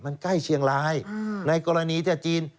มันใกล้เชียงรายในกรณีที่จีน